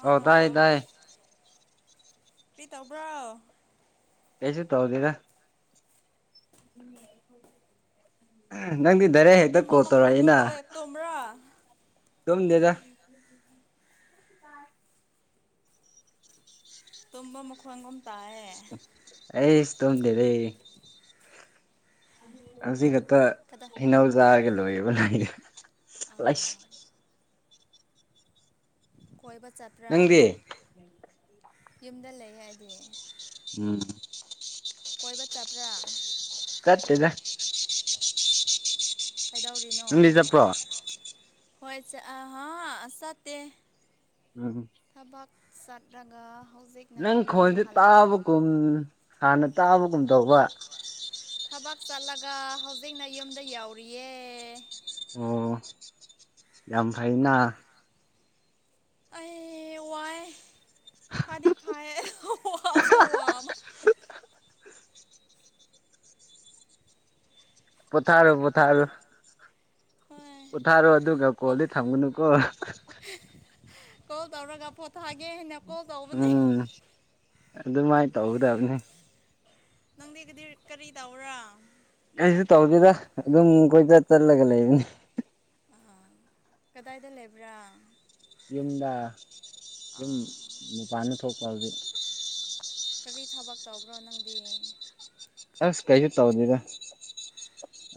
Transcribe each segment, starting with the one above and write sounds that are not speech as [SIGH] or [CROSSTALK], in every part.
ꯍ ꯇꯥꯏ ꯇꯥꯏ ꯄꯔꯤ ꯇꯕ꯭ꯔꯣ ꯀꯁꯤ ꯇ ꯍꯗꯦꯔ ꯅꯪꯗꯤ ꯗꯥꯏꯔꯦ ꯍꯦꯛꯇ ꯇꯨꯝꯕ ꯀꯣꯜ ꯃꯈꯣꯟꯒꯨꯝ ꯇꯧꯔꯛꯏꯅ ꯇꯧꯋꯦ ꯇꯨꯝꯕ꯭ꯔꯥ ꯇꯣꯝꯗꯦꯗ ꯇꯝꯕ ꯃꯈꯋꯥꯡꯒꯨꯝ ꯑꯩ ꯏꯁ ꯇꯣꯗꯦ ꯂꯩꯦ ꯍꯧꯖꯤꯒ ꯀꯗꯥ ꯍꯟꯅꯎꯖꯥꯒꯦ ꯂꯣꯏꯕ ꯂ ꯑꯥ ꯀꯣꯏꯕ ꯆꯠꯠꯇꯄ꯭ꯔꯥ ꯅꯪꯗꯤ ꯌꯨꯝꯗ ꯂꯩ ꯍꯥꯏꯗꯤ ꯎꯝ ꯀꯣꯏꯕ ꯆꯠꯄ꯭ꯔꯥ ꯀꯠꯇꯗ [UNINTELLIGIBLE] ꯏꯗꯤ ꯆꯄ꯭ꯔꯣ ꯍꯣꯏ ꯆ ꯑ ꯍꯥ ꯑꯁ ꯇ ꯎꯝ ꯆꯠꯗꯒꯥ ꯅꯪ ꯈꯣꯟꯁꯦ ꯇꯥꯕꯒꯨꯝ ꯍꯥꯟꯅ ꯇꯥꯕꯒꯨꯝ ꯇꯧꯕ ꯊꯕꯛ ꯆꯠꯂꯒ ꯍꯧꯖꯤꯛꯅ ꯌꯨꯝꯗ ꯌꯧꯔꯤꯌꯦ ꯑꯣ ꯌꯥꯝ ꯐꯩꯅ ꯑꯩ ꯋꯥꯥꯏ ꯐꯗꯤ ꯐꯁꯨ ꯋꯥꯃ ꯄꯊꯥꯔ ꯄꯊꯔ ꯍꯣꯏ ꯄꯣꯊꯥꯔꯣ ꯑꯗꯨꯒ ꯀꯣ ꯀꯣꯗꯤ ꯊꯝꯒꯨꯅꯨꯀꯣ ꯀꯣꯜ ꯇꯧꯔꯒ ꯄꯣꯊꯥꯒꯦ ꯍꯥꯏꯅ ꯀꯣꯜ ꯇꯧꯕꯅꯤ ꯎꯝ ꯑꯗꯨꯃꯥꯏꯅ ꯇꯧꯒꯗꯕꯅꯦ ꯅꯪꯗꯤꯒꯗꯤ ꯀꯔꯤ ꯇꯧꯔꯥ ꯑꯩꯁꯨ ꯇꯧꯗꯦꯗ ꯑꯗꯨꯝ ꯀꯣꯏꯆ ꯆꯠꯂꯒ ꯂꯩꯔꯤꯅꯤ ꯑꯥ ꯀꯗꯥꯏꯗ ꯂꯩꯕ꯭ꯔꯥ ꯌꯨꯝꯗ ꯌꯨꯝ ꯑꯥ ꯃꯄꯥꯟꯅ ꯊꯣꯛꯄ ꯍꯧꯖꯤꯛ ꯀꯔꯤ ꯊꯕꯛ ꯇꯧꯕ꯭ꯔꯣ ꯅꯪꯗꯤ ꯑꯁ ꯀꯩꯁꯨ ꯇ ꯑꯣꯗꯗ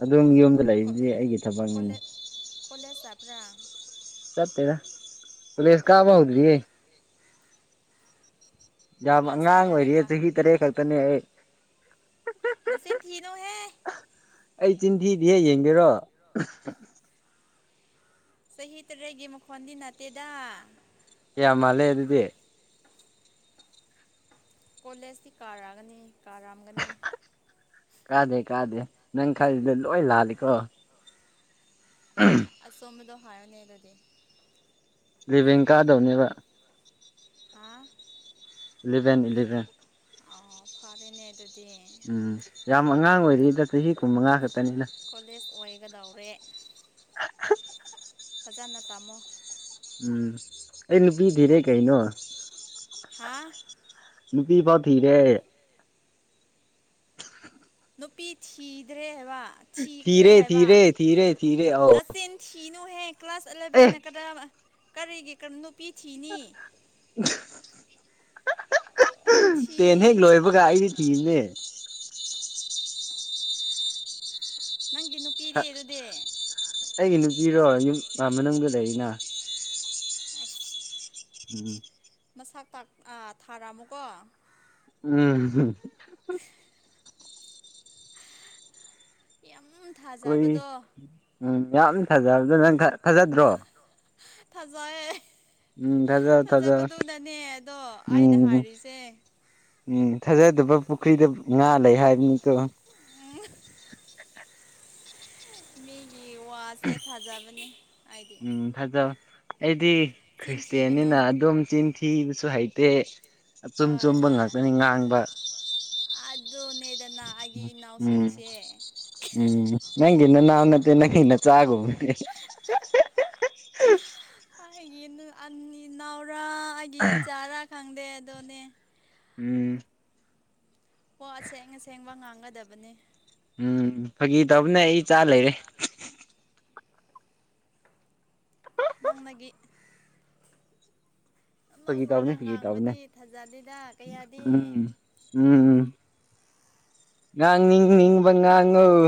ꯑꯗꯨꯝ ꯌꯨꯝꯗ ꯂꯩꯗꯤ ꯑꯩꯒꯤ ꯊꯕꯛꯅꯤꯅꯤ ꯀꯣꯂꯦꯖꯕ꯭ꯔ ꯆꯠꯇꯦꯗ ꯀꯨꯂꯦꯁ ꯀꯕ ꯍꯧꯗ꯭ꯔꯤ ꯌꯥꯝ ꯀ꯭ꯂꯥꯁ ꯑꯉꯥꯡ ꯀꯌꯥꯗ ꯑꯣꯏꯔꯤꯌꯦ ꯀꯥ ꯆꯍꯤ ꯇꯔꯦꯠ ꯈꯛꯇꯅꯦ ꯑꯩ ꯅꯁꯤ ꯊꯅꯣ ꯍꯦ ꯑꯩ ꯆꯤꯟꯊꯤꯗꯤ ꯍꯦꯛ ꯌꯦꯡꯒꯦꯔꯣ ꯆꯍꯤ ꯇꯔꯦꯒꯤ ꯃꯈꯣꯟꯗꯤ ꯅꯠꯇꯦꯗ ꯑꯦ ꯃꯂꯦ ꯑꯗꯨꯗꯤ ꯀꯣꯂꯦꯖꯇꯤ ꯀꯥꯔꯛꯑꯒꯅꯤ ꯀꯥꯔꯥꯝꯒꯅꯤ ꯂ ꯂ ꯂꯤ ꯀꯣ ꯑꯁꯣꯃꯗ ꯍꯥꯏꯅꯦ ꯑꯗꯨꯗꯤ ꯂꯤꯚꯦꯡ ꯀꯥꯗꯧꯅꯦꯕ ꯑ ꯏꯂꯚꯦꯟ ꯏꯂꯤꯚꯦꯟ ꯑꯣ ꯐꯔꯦꯅꯦ ꯑꯗꯨꯗꯤ ꯎꯝ ꯌꯥꯝ ꯑꯉꯥꯡ ꯑꯣꯏꯔꯤꯗ ꯆꯍꯤ ꯀꯨꯟꯃꯉꯥ ꯈꯛꯇꯅꯤꯅ ꯀꯣꯂꯦꯖ ꯑꯣꯏꯒꯗꯧꯔꯦ ꯐꯖꯅ ꯇꯝꯃꯣ ꯎꯝ ꯑꯦ ꯅꯨꯄꯤ ꯊꯙꯔꯩ ꯀꯩꯩꯅꯣ ꯍꯥ ꯅꯨꯄꯤ ꯐꯥꯎ ꯊꯔꯦ ꯅꯨꯄꯤꯤ ꯊꯤꯗ꯭ꯔꯦ ꯋꯥ ꯊꯤꯔꯦ ꯊꯤꯔꯦ ꯊꯤꯔꯦ ꯊꯤꯔꯦ ꯑꯧ ꯅꯆꯤꯟ ꯊꯤꯅꯨꯍꯦ ꯀ꯭ꯂꯥꯁ ꯑꯦ ꯑꯦꯂꯚꯦꯟꯅ ꯀꯗꯥ ꯀꯔꯤꯒꯤ ꯀ ꯅꯨꯄꯤ ꯊꯤꯅꯤ ꯊꯤ ꯇꯦꯟ ꯍꯦꯛ ꯂꯣꯏꯕꯒ ꯑꯩꯗꯤ ꯊꯤꯕꯅꯦ ꯅꯪꯗꯤ ꯅꯨꯄꯤꯔ ꯑꯗꯨꯗꯤ ꯏꯔꯣ ꯌꯨꯝ ꯃꯅꯨꯡꯗ ꯂꯩꯔꯤꯅ ꯑ ꯎꯝ ꯃꯁꯥꯛ ꯊꯥꯔꯛꯑꯃꯨꯀꯣ ꯎꯝ ꯌꯥꯝ ꯀꯏ ꯊꯥꯖꯕꯗꯣ ꯎꯝ ꯌꯥꯝ ꯐꯖꯕꯗ ꯅꯪ ꯐꯖꯗ꯭ꯔꯣ ꯊꯥꯖꯩꯑꯦ ꯊꯥꯖ ꯊꯥꯖ ꯊꯥꯖꯕꯗꯨꯅꯅꯦ ꯑꯗꯣ ꯑꯩꯅ ꯎꯝ ꯍꯥꯏꯔꯤꯁꯦ ꯎꯝ ꯊꯥꯖꯗꯕ ꯄꯨꯈ꯭ꯔꯤꯗ ꯉꯥ ꯂꯩ ꯍꯥꯏꯕꯅꯤꯠꯇꯣ ꯃꯤꯒꯤ ꯋꯥꯁꯦ ꯊꯥꯖꯕꯅꯤ ꯑꯩꯗꯤ ꯎꯝ ꯐꯖꯕ ꯑꯩꯗꯤ ꯆꯤꯟ ꯊꯤꯒꯅꯨ ꯈ꯭ꯔꯤꯁꯇꯌꯥꯟꯅꯤꯅ ꯑꯗꯨꯝ ꯆꯤꯟꯊꯤꯕꯁꯨ ꯍꯩꯇ ꯑꯆꯨꯝ ꯍꯣꯏ ꯆꯨꯝꯕ ꯍꯣꯏ ꯉꯥꯛꯇꯅꯤ ꯉꯥꯡꯕ ꯑꯗꯨꯅꯦꯗꯅ ꯑꯩꯒꯤ ꯏꯅꯥꯎꯁꯤꯡꯁꯦ ꯅꯪ ꯏ ꯅ ꯅꯎ ꯅꯠꯇꯦ ꯅꯪ ꯏ ꯅ ꯆꯥꯒꯦ ꯑꯩꯒꯤ ꯑ ꯏꯅꯥꯎꯔ ꯑꯩꯒꯤ ꯏꯆꯥꯔꯥ ꯈꯪꯗꯦ ꯑꯗꯨꯗꯣꯅꯦ ꯎꯝ ꯍ ꯑꯁꯦꯡ ꯑꯁꯦꯡꯕ ꯉꯥꯡꯒꯗꯕꯅꯤ ꯎꯝ ꯐꯥꯒꯤ ꯇꯕꯅꯦ ꯑꯩꯆꯥ ꯂꯩꯔꯦ ꯅꯅ ꯐꯒꯤ ꯇꯧꯕꯅꯦ ꯂꯧꯔꯒ ꯐꯒꯤ ꯇꯧꯕꯅꯦ ꯉꯥꯡꯕꯗꯤ ꯊꯥꯖꯗꯦꯗ ꯀꯌꯥꯗꯤ ꯉꯥꯡ ꯅꯤꯡ ꯅꯤꯡꯕ ꯉꯥꯡꯥꯡ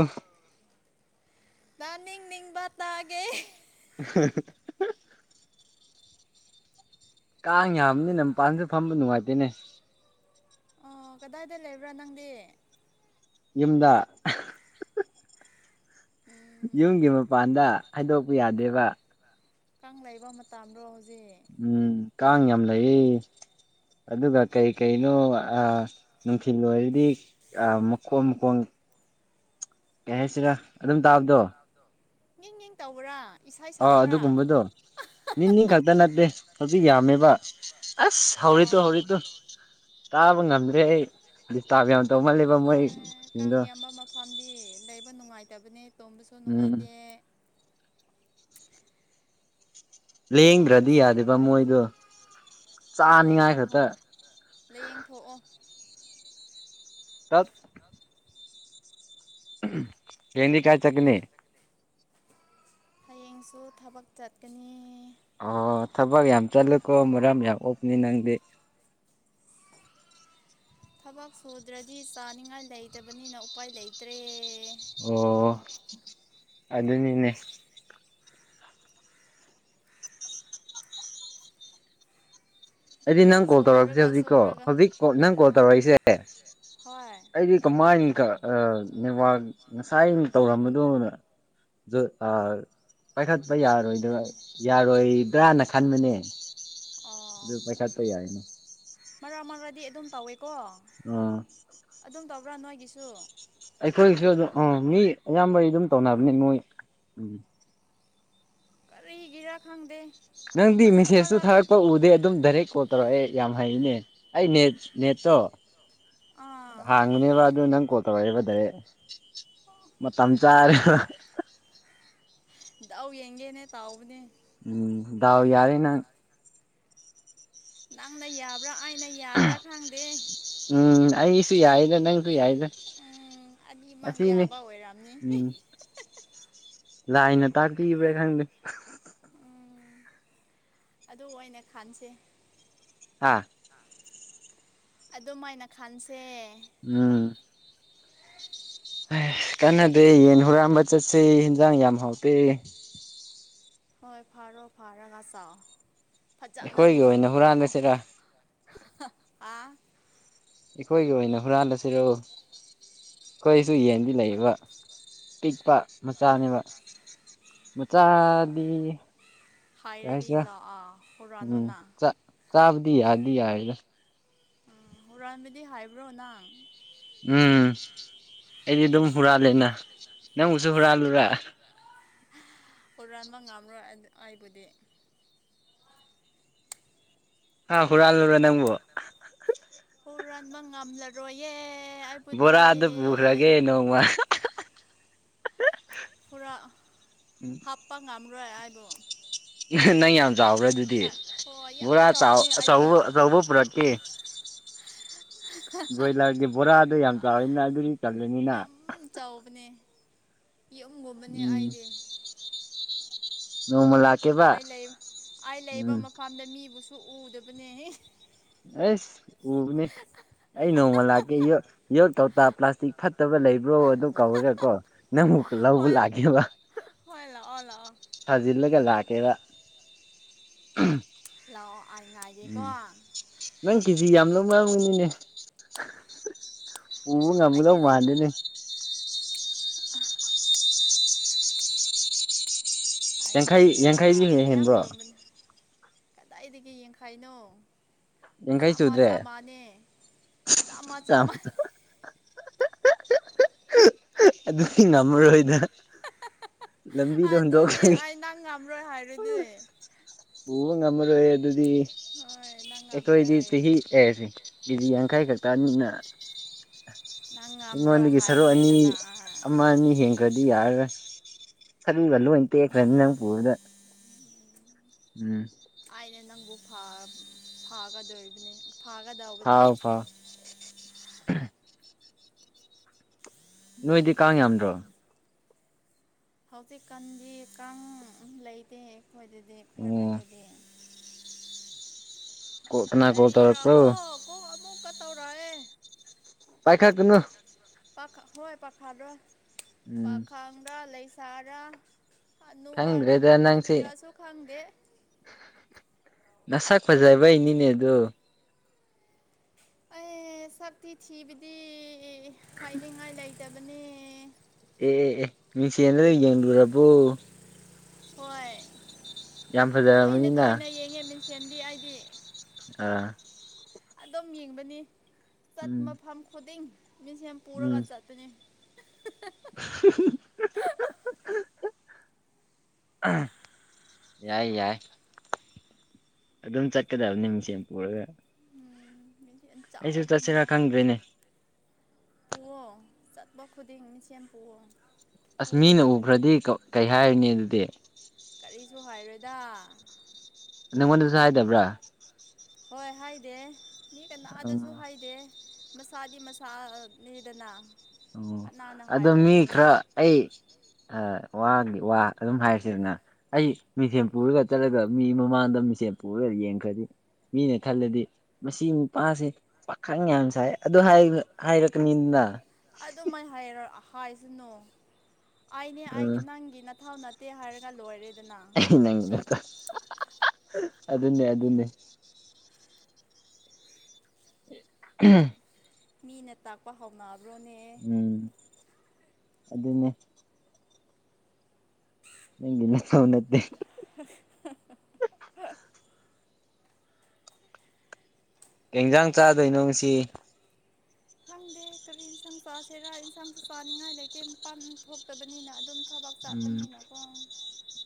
ꯥꯟ ꯅꯤꯡ ꯄꯇꯑꯒꯦ [INAUDIBLE] ꯀꯥꯡ ꯌꯥꯝꯕꯅꯤꯅ ꯃꯄꯥꯟꯁꯨ ꯐꯝꯕ ꯅꯨꯡꯉꯥꯏꯇꯦꯅꯦ ꯑꯣ ꯀꯗꯥꯏꯗ ꯂꯩꯕ꯭ꯔꯥ ꯅꯪꯗꯤ ꯌꯨꯝꯗ ꯌꯨꯝꯒꯤ ꯃꯄꯥꯟꯗ ꯍꯥꯏꯗꯣꯛꯄ ꯌꯥꯗꯦꯕ ꯀꯥꯡ ꯂꯩꯕ ꯃꯇꯝꯔꯣ ꯍꯧꯖꯤꯛ ꯎꯝ ꯀꯥꯉ ꯑꯃ ꯂꯩ ꯑꯗꯨꯒ ꯀꯩꯀꯩꯅꯣ ꯅꯨꯡꯊꯤꯜ ꯑꯣꯏꯔꯗꯤ ꯃꯈꯣꯡ ꯃꯈꯣꯡ ꯀꯩ ꯍꯥꯏꯁꯤꯔ ꯑꯗꯨꯝ ꯇꯥꯕꯗꯣ ꯅꯤꯡ ꯌꯦ ꯇꯧꯕ꯭ꯔꯥ ꯏꯁꯩ ꯑꯥ ꯁꯛꯄ꯭ꯔꯥ ꯑꯗꯨꯒꯨꯝꯕꯗꯣ ꯅꯤꯅꯤ ꯈꯛꯇ ꯅꯠꯇꯦ ꯍꯧꯖꯤꯛ ꯌꯥꯝꯃꯦꯕ ꯑꯁ ꯍꯧꯥꯎꯔꯤ ꯇꯣ ꯑꯥ ꯍꯧꯥꯎꯔꯤ ꯇꯣ ꯇꯥꯕ ꯉꯝꯗ꯭ꯔꯦ ꯑꯩ ꯗꯤꯁꯇꯥꯔꯕ ꯌꯥꯝ ꯇꯧꯃꯜꯂꯦꯕ ꯃꯣꯏ ꯁꯤꯡꯗꯣ ꯃꯔꯝꯗꯤ ꯂꯩꯕ ꯅꯨꯡꯉꯥꯏꯇꯕꯅꯦ ꯇꯣꯝꯕꯁꯨ ꯎꯝ ꯅꯨꯡꯉꯥꯏꯇꯦ ꯂꯦꯡꯗ꯭ꯔꯗꯤ ꯐꯝꯕꯁꯨ ꯌꯥꯗꯦꯕ ꯅꯨꯡꯉꯥꯏꯔꯦ ꯃꯣꯏꯗꯣ ꯍꯣꯏ ꯆꯥꯅꯤꯡꯉꯥꯏ ꯂꯥꯏꯌꯦꯡ ꯈꯛꯇ ꯂꯥꯏꯌꯦꯡꯊꯑꯣ ꯆꯠ ꯀꯗꯤ ꯀꯥꯏ ꯆꯠꯅꯤ ꯍꯌꯦꯡꯁꯨ ꯊꯕꯛ ꯆꯠꯀꯅꯤ ꯑꯣ ꯊꯕꯛ ꯌꯥꯝ ꯆꯠꯂꯨꯀꯣ ꯃꯔꯝ ꯌꯥꯝ ꯑꯣꯞꯅꯤ ꯅꯪꯗꯤ ꯊꯕꯛ ꯁꯨꯗ꯭ꯔꯗꯤ ꯆꯥꯅꯤꯡꯉꯥꯏ ꯂꯩꯇꯕꯅꯤꯅ ꯎꯄꯥꯏ ꯂꯩꯇ꯭ꯔꯦ ꯑꯣ ꯑꯗꯨ ꯑꯗꯨꯅꯤꯅꯦ ꯑꯩꯗꯤ ꯅꯪ ꯀꯣꯜ ꯇꯧꯔꯛꯄꯁꯦ ꯁꯨꯔꯒ ꯍꯧꯖꯤꯛꯀꯣ ꯁꯨꯔꯒ ꯍꯧꯖꯤꯛ ꯅꯪ ꯀꯣꯜ ꯇꯧꯔꯛꯏꯁꯦ ꯍꯣꯏ ꯑꯩꯗꯤ ꯀꯃꯥꯏꯀꯕ ꯉꯁꯥꯏ ꯑꯩꯅ ꯇꯧꯔꯝꯕꯗꯣ ꯄꯥꯏꯈꯠꯄ ꯌꯥꯔꯣꯏꯗꯕ ꯌꯥꯔꯣꯏꯕ꯭ꯔꯥꯅ ꯈꯟꯕꯅꯦ ꯈꯠꯇꯩ ꯌꯥꯅ ꯃꯔ ꯃꯔꯗꯤ ꯑꯗꯨꯝ ꯇꯧꯋꯦ ꯑꯣ ꯄꯨ ꯅꯣꯏ ꯀꯁꯨ ꯑꯩꯈꯣꯏꯒꯤꯁꯨ ꯑꯗꯨꯝ ꯑꯥ ꯃꯤ ꯑꯌꯥꯝꯕꯩ ꯑꯗꯨꯝ ꯇꯧꯅꯕꯅꯤ ꯃꯣꯏ ꯎꯝ ꯀꯔꯤꯒꯤꯔ ꯈꯪꯗ ꯅꯪꯗꯤ ꯃꯦꯁꯇꯨ ꯊꯥꯔꯛꯄ ꯎꯗꯦ ꯑꯗꯨꯝ ꯗꯥꯏꯔꯦꯛ ꯀꯣꯜ ꯇꯧꯔꯛꯑꯦ ꯌꯥꯝ ꯍꯩꯅꯦ ꯑꯩ ꯅꯦꯠ ꯅꯦꯠꯇꯣ ꯑꯥ ꯍꯥꯡꯉꯨꯅꯦꯕ ꯑꯗꯨ ꯅꯪ ꯀꯣꯜ ꯇꯧꯔꯛꯏꯦꯕ ꯗꯥ ꯃꯇꯝ ꯆꯥꯔꯦ ꯎ ꯌꯦꯡꯒꯦꯅꯦ ꯇꯥꯎꯕꯅꯦ ꯎꯝꯗꯎ ꯌꯥꯔꯦ ꯅꯪ ꯅꯪꯅ ꯌꯥꯕ꯭ꯔꯥ ꯑꯩꯅ ꯌꯥꯕ꯭ꯔꯥ ꯈꯪꯗꯦ ꯎꯝ ꯑꯩꯁꯨ ꯌꯥꯏꯗ ꯅꯪꯁꯨ ꯌꯥꯏꯗ ꯎꯝ ꯑꯅꯤꯃꯛ ꯑꯁꯤꯅꯤ ꯌꯥꯕ ꯑꯣꯏꯔꯝꯅꯤ ꯎꯝ ꯂꯥꯏꯅ ꯇꯥꯛꯄꯤꯕ꯭ꯔꯥ ꯈꯪꯗꯦ ꯎꯝ ꯑꯗꯨ ꯑꯣꯏꯅ ꯈꯟꯁꯦ ꯍꯥꯥ ꯑꯣ ꯃꯥꯏꯅ ꯈꯥꯟꯁꯦ ꯎꯝ ꯀꯟꯅꯗꯦ ꯌꯦꯟ ꯍꯨꯔꯝꯕ ꯆꯠꯁꯤ ꯏꯟꯖꯥꯡ ꯌꯥꯝ ꯍꯥꯎꯇꯦ ꯍꯣꯏ ꯐꯥꯔꯣ ꯐꯔ ꯉ ꯆꯥꯎ ꯑꯩꯈꯣꯏꯒꯤ ꯑꯣꯏꯅ ꯍꯨꯔꯥꯟꯕꯁꯤꯔꯥ ꯑ ꯑꯩꯈꯣꯏꯒꯤ ꯑꯣꯏꯅ ꯍꯨꯔꯥꯜꯂꯁꯤꯔꯛꯣ ꯑꯩꯈꯣꯏꯁꯨ ꯌꯦꯟꯗꯤ ꯂꯩꯕ ꯑꯄꯤꯛꯄ ꯃꯆꯥꯅꯦꯕ ꯃꯆꯥꯗꯤ ꯍꯥꯏꯔꯗꯤ ꯀꯁ ꯂꯥꯛꯑꯣ ꯍꯨꯔꯥꯟꯅꯣ ꯎꯝ ꯅꯪ ꯆ ꯆꯥꯞꯗ ꯎ ꯍꯨꯔꯥꯟꯕꯤꯗꯤ ꯍꯥꯏꯕ꯭ꯔꯣ ꯅꯪ ꯎꯝ ꯑꯩꯗꯤ ꯑꯗꯨꯝ ꯏꯁ ꯎꯝ ꯍꯨꯔꯥꯜꯂꯦꯅ ꯅꯪꯕꯨꯁꯨ ꯍꯨꯔꯥꯜꯂꯨꯔ ꯍꯨꯔꯥꯟꯕꯥꯟꯕ ꯉꯝꯔꯣ ꯑꯩꯕꯨꯗꯤ ꯑ ꯍꯨꯔꯜꯔ ꯅꯪꯕꯣ ꯍꯨꯔꯥꯟꯕ ꯉꯝꯂꯔꯣꯏꯌꯦ ꯑꯩꯕꯨꯗꯤ ꯕꯣꯔ ꯑꯗꯨꯗ ꯄꯨꯕꯈ꯭ꯔꯒꯦ ꯅꯧꯃ ꯄꯨꯔꯥ ꯍꯥꯞꯄ ꯉꯝꯔꯣꯏ ꯍꯥꯏꯕꯨ ꯅꯪ ꯌꯥꯝ ꯆꯥꯎꯕ꯭ꯔꯦ ꯑꯗꯨꯗꯤ ꯍꯣꯏ ꯌꯥꯝ ꯄꯨꯔꯥ ꯆ ꯆꯥꯎꯕꯅꯦ ꯁ ꯁ ꯑꯩꯗꯤ ꯄꯔꯣꯀꯤ ꯕ꯭ꯔꯣꯏꯂꯔꯒꯤ ꯕꯣꯔꯥꯗꯣ ꯌꯥꯝ ꯆꯥꯎꯔꯅꯤꯅ ꯑꯗꯨꯗꯤ ꯆꯜꯂꯅꯤꯅ ꯌꯥꯝ ꯌꯦꯝꯒꯨꯝꯕꯅꯦ ꯑꯩꯗꯤ ꯅꯣꯡꯃ ꯂꯥꯛꯀꯦꯕ ꯑꯩ ꯂꯩ ꯑꯩ ꯂꯩꯕ ꯎꯝ ꯃꯐꯝꯗ ꯃꯤꯕꯨꯁꯨ ꯎꯗꯕꯅꯦꯍ ꯑꯦꯁ ꯎꯅꯤ ꯑꯩ ꯅꯣꯡꯃ ꯂꯥꯛꯀꯦ ꯌꯣ ꯇꯧꯇꯥ ꯄ꯭ꯂꯥꯁꯇꯤꯛ ꯐꯠꯇꯕ ꯂꯩꯕ꯭ꯔꯣ ꯑꯗꯨ ꯀꯧꯔꯒꯀꯣ ꯅꯪ ꯂꯕꯨ ꯂꯒꯦꯕ ꯍꯂ ꯐꯖꯤꯜꯂꯒ ꯂꯥꯛꯀꯦꯗ ꯂꯥꯛꯑꯣ ꯑꯩ ꯉꯥꯏꯒꯦꯀꯣ ꯅꯪ ꯀꯦꯖꯤ ꯌꯥꯝ ꯂꯧ ꯃꯔꯥꯡꯒꯅꯤꯅꯦ ꯄꯨ ꯉꯝꯕꯗ ꯃꯥꯅꯤꯅꯦ ꯑ ꯑꯩ ꯌꯥꯡꯈꯩ ꯀꯩꯅꯣꯗ ꯌꯥꯡꯈꯩꯗꯤ ꯍꯨꯡ ꯌꯥꯝ ꯍꯦꯟꯕ꯭ꯔꯣ ꯂꯨꯝꯕꯅꯤ ꯀꯗꯥꯏꯗꯒꯤ ꯌꯦꯡꯈꯥꯏꯅꯣ ꯌꯥꯡꯈꯩ ꯆꯥꯃ ꯁꯨꯗ꯭ꯔꯦ ꯆꯥꯃꯅꯦ ꯆꯥꯃ ꯆꯥꯃ ꯑꯗꯨ ꯁꯤ ꯅꯝꯕꯔꯣ ꯏꯗ ꯑꯗꯨꯅꯦ ꯍꯨꯟꯗꯣꯛꯈ꯭ꯔꯒꯦ ꯑꯩ ꯅꯪ ꯉꯝꯔꯣꯏ ꯍꯥꯏꯔꯨꯗꯤꯅꯦ ꯄꯨꯕ ꯉꯝꯃꯔꯣꯏ ꯑꯗꯨꯗꯤ ꯍꯣꯏ ꯅꯪ ꯉꯝꯔꯣꯏ ꯑꯩꯈꯣꯏꯗꯤ ꯍꯥꯏ ꯆꯍꯤꯤ ꯑꯦꯁꯤꯦ ꯀꯦꯖꯤ ꯌꯥꯡꯈꯩ ꯈꯛꯇ ꯅꯨꯠꯅ ꯅꯪ ꯉꯝꯔꯣꯏ ꯑꯩꯉꯣꯟꯗꯒꯤ ꯁꯔꯨꯛ ꯑꯅꯤ ꯍꯥꯏꯈ꯭ꯔꯦꯗꯅ ꯑꯃ ꯑꯅꯤ ꯍꯦꯟꯈ꯭ꯔꯗꯤ ꯌꯥꯔꯔ ꯈꯔꯤꯒꯂꯣꯇꯈ꯭ꯔꯅꯤ ꯅꯪ ꯀꯗ ꯎꯝ ꯑꯦ ꯅꯪꯕꯨ ꯐꯥꯒꯗꯣꯏꯕꯅꯦ ꯐꯥꯒꯗꯧꯕꯅꯦ ꯎ ꯅꯣꯏꯗꯤ ꯀꯥꯡ ꯌꯥꯝꯗ꯭ꯔꯣ ꯍꯧꯖꯤꯛꯀꯥꯟꯗꯤ ꯀꯥꯡ ꯂꯩꯇꯦ ꯑꯩꯈꯣꯏꯗꯗꯤ ꯑꯣ ꯐꯔꯔꯦꯟꯗꯗꯤ ꯀꯅꯥ ꯀꯣꯜ ꯀꯔꯤꯔꯥ ꯇꯧꯔꯛꯄ꯭ꯔꯣ ꯀꯣ ꯀꯣ ꯑꯃꯨꯛꯀ ꯇꯧꯔꯑꯦ ꯄꯥꯏꯈꯥ ꯀꯅ ꯄꯥꯥ ꯍꯣꯏ ꯄꯥꯈꯥꯗꯣ ꯎꯝ ꯄꯥꯈꯥꯡꯗ ꯂꯩꯁꯥꯔ ꯍꯅꯨꯕꯔ ꯈꯪꯗ꯭ꯔꯦꯗ ꯅꯪꯁꯦ ꯍꯅꯨꯕꯤꯔꯁꯨ ꯈꯪꯗꯦ ꯅꯁꯛ ꯐꯖꯕꯩꯅꯤꯅꯦ ꯑꯗꯨ ꯑꯦ ꯁꯛꯇꯤ ꯊꯤꯕꯗꯤ ꯍꯥꯏꯅꯤꯡꯉꯥꯏ ꯂꯩꯇꯕꯅꯤ ꯑꯦ ꯑꯦ ꯃꯤꯁꯤꯅ ꯂꯩ ꯌꯦꯡꯔꯕꯕꯣ ꯍꯣꯏ ꯌꯥꯝ ꯐꯖꯔꯕꯅꯤꯅ ꯁꯦꯟꯗꯤ ꯑꯩꯗꯤ ꯑ ꯑꯗꯨꯝ ꯌꯦꯡꯕꯅꯤ ꯆꯠ ꯎꯝ ꯃꯐꯝ ꯈꯨꯗꯤꯡ ꯃꯤꯁꯦ ꯌꯥꯝ ꯄꯨꯔꯒ ꯎꯝ ꯆꯠꯇꯅꯤ ꯌꯥꯏ ꯌꯥꯏ ꯑꯗꯨꯝ ꯆꯠꯀꯗꯕꯅꯤꯃꯤꯁ ꯌꯦꯝ ꯄꯨꯒ ꯃꯤꯡꯁꯦꯟ ꯑꯩꯁꯨ ꯆꯠꯁꯤꯔ ꯈꯪꯗꯦꯅꯦ ꯄ ꯄꯨꯋꯥꯋꯥꯣ ꯆꯠꯄ ꯈꯨꯗꯤꯡ ꯃꯤꯆꯦꯝ ꯄ ꯄꯨꯋꯥꯋꯥ ꯑꯁ ꯃꯤꯅ ꯎꯈ꯭ꯔꯗꯤ ꯀꯩ ꯍꯥꯏꯔꯤꯅꯤ ꯑꯗꯨꯗꯤ ꯨ ꯍꯥꯏꯔꯗ ꯅꯪ ꯃꯟꯁ ꯍꯥꯏꯥꯏꯗꯕ꯭ꯔꯥ ꯍꯣꯏ ꯍꯥꯏꯗꯦ ꯃꯤ ꯀꯅꯥꯑꯗꯁꯨ ꯎꯝ ꯍꯥꯏꯗꯦ ꯃꯁꯥꯗꯤ ꯃꯁꯥꯅꯤꯗꯅ ꯑꯣ ꯀꯅꯥꯅ ꯑꯗꯣ ꯃꯤ ꯍꯥꯏꯔꯣꯅꯤ ꯈꯔ ꯑꯩ ꯋꯥꯒꯤ ꯋꯥ ꯑꯗꯨꯝ ꯍꯥꯏꯔꯤꯁꯤꯗꯅ ꯑꯩ ꯃꯤꯡꯊꯦꯝ ꯄꯨꯔꯒ ꯆꯠꯂꯒ ꯃꯤ ꯃꯃꯥꯡꯗ ꯃꯤꯁꯦ ꯄꯒꯦꯗꯤ ꯌꯦꯡ ꯀꯗꯤ ꯃꯤꯅ ꯈꯜꯂꯗꯤ ꯃꯁꯤ ꯅꯨꯄꯥꯁꯦ ꯄꯥꯈꯪ ꯌꯥꯝ ꯁꯥꯏ ꯑꯗꯨ ꯍꯥꯏꯔꯛꯀꯅꯤꯗꯅ ꯑꯗꯨꯃꯥꯏ ꯍꯥꯏꯔ ꯍꯥꯏꯁꯅꯨ ꯑꯩꯅꯦ ꯎꯝ ꯅꯪꯒꯤ ꯊꯥꯎ ꯅꯠꯇꯦ ꯍꯥꯏꯔꯒ ꯂꯣꯏꯔꯦ ꯅꯪ ꯅꯠꯇ ꯑꯗꯨ ꯑꯗꯨꯟꯅꯅꯦ ꯑꯗꯨꯟꯅꯅꯦ ꯎꯝ [UNINTELLIGIBLE] [INAUDIBLE] ꯃꯤꯅ ꯇꯥꯛꯄ ꯍꯧꯥꯎꯅꯑꯕ꯭ꯔꯣꯅꯦ ꯎꯝ ꯑꯗꯨꯅꯦ ꯅꯪꯅ ꯅ ꯅꯠꯇꯦ [UNINTELLIGIBLE] [INAUDIBLE] ꯌꯦꯟꯖꯥꯡ ꯆꯥꯗꯣꯏꯅꯣꯁꯤ [UNINTELLIGIBLE] [INAUDIBLE] ꯈꯪꯗꯦ ꯀꯔꯤ ꯏꯟꯁꯥꯡ ꯆꯥꯁꯦꯔꯥ ꯏꯟꯁꯥꯡꯁꯨ ꯆꯥꯅꯤꯡꯉꯥꯏ ꯂꯩꯇꯦ ꯃꯄꯥꯟ ꯊꯣꯛꯇꯕꯅꯤꯅ ꯑꯗꯨꯝ ꯊꯕꯛ ꯎꯝ ꯆꯠꯄꯅꯤꯅꯀꯣ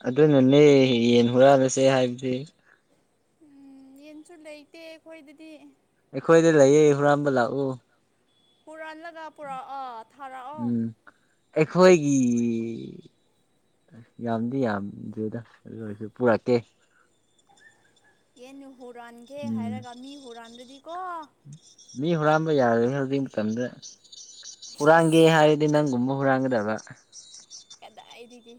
ꯑꯗꯨꯅꯅꯦ ꯊꯕꯛ ꯌꯦꯟ ꯍꯨꯔꯛꯜꯂꯁꯦ ꯍꯥꯏꯕꯗꯤ ꯎꯝ ꯌꯦꯟꯁꯨ ꯂꯩꯇꯦ ꯑꯩꯈꯣꯏꯗꯗꯤ ꯑꯩꯈꯣꯏꯗ ꯂꯩꯌꯦ ꯍꯨꯔꯝꯕ ꯂꯥꯛꯎ ꯄꯨꯥꯅꯤꯂꯒꯥ ꯄꯨꯔ ꯑꯥ ꯎꯝ ꯑꯩꯈꯣꯏꯒꯤ ꯑꯁ ꯌꯥꯝꯗꯤ ꯌꯥꯝꯗ꯭ꯔꯦꯗ ꯑꯗꯨ ꯑꯣꯏꯔꯁꯨ ꯄꯨꯔꯛꯀꯦ ꯑꯦꯅꯨ ꯍꯨꯔꯥꯟꯒꯦ ꯎꯝ ꯍꯥꯏꯔꯒ ꯃꯤ ꯍꯨꯔꯥꯟꯗꯨꯗꯤꯀꯣ ꯃꯤ ꯍꯨꯔꯥꯟꯕ ꯌꯥꯔꯣꯏ ꯍꯧꯖꯤꯛ ꯃꯇꯝꯗ ꯍꯨꯔꯥꯟꯒꯦ ꯍꯤꯁ ꯍꯥꯏꯔꯗꯤ ꯅꯪꯒꯨꯝꯕ ꯍꯨꯔꯥꯡꯒꯗꯕ ꯇꯏꯗꯤꯗꯒꯤ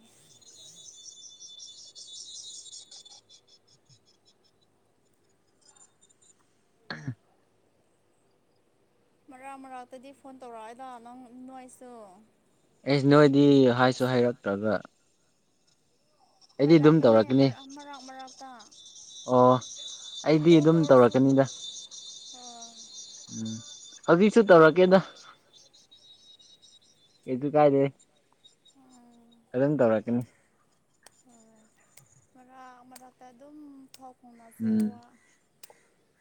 ꯃꯔꯛ ꯃꯔꯛꯇꯗꯤ ꯐꯣꯟ ꯇꯧꯔꯛꯑꯏꯗ ꯅꯪ ꯅꯥꯏꯁꯨ ꯑꯩꯁ ꯅꯣꯏꯗꯤ ꯍꯥꯏꯁꯨ ꯍꯩꯔꯛꯇ꯭ꯔꯒ ꯍꯥꯏꯔꯛꯄꯅꯦ ꯃꯔ ꯃꯔꯛ ꯃꯔꯥꯛꯛꯇ ꯑꯣ ꯑꯩꯗꯤ ꯑꯗꯨꯝ ꯇꯧꯔꯛꯀꯅꯤꯗ ꯑꯥ ꯎꯝ ꯍꯧꯖꯤꯛꯁꯨ ꯇꯧꯔꯛꯀꯦꯗ ꯀꯁꯨ ꯀꯥꯏꯗꯦ ꯎꯝ ꯑꯗꯨꯝ ꯇꯧꯔꯛꯀꯅꯤ ꯍꯣꯏ ꯃꯔꯥꯛ ꯃꯔꯥꯛꯛꯇ ꯑꯗꯨꯝ ꯊꯣꯛꯣꯡꯅꯁꯦ ꯎꯝ ꯋꯥ